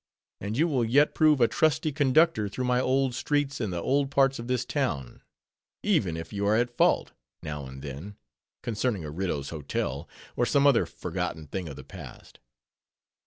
and you will yet prove a trusty conductor through many old streets in the old parts of this town; even if you are at fault, now and then, concerning a Riddough's Hotel, or some other forgotten thing of the past.